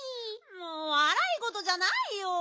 もうわらいごとじゃないよ！